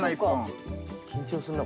緊張するな